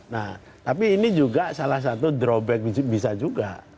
nah tapi ini juga salah satu drowback bisa juga